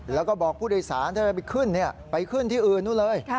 แล้วก็บอกผู้โดยสารถ้าเธอไปขึ้นไปขึ้นที่อื่นนู่นเลย